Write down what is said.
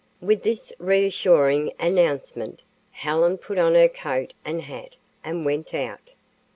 With this reassuring announcement, Helen put on her coat and hat and went out.